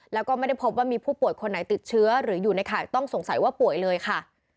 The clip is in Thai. แล้วก็ไม่ได้พบว่ามีผู้ป่วยคนไหนติดเชื้อหรืออยู่ในข่ายต้องสงสัยว่าป่วยเลยค่ะ